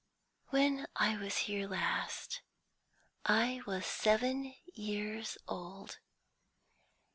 "When I was here last, I was seven years old.